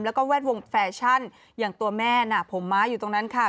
แล้วก็แวดวงแฟชั่นอย่างตัวแม่น่ะผมม้าอยู่ตรงนั้นค่ะ